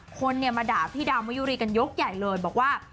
คนมาด่าพี่ดาวมะยุรีกันยกใหญ่เลยบอกว่า